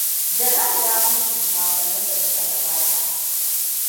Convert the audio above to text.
Jalal ya mutu makonnin da suka gabata.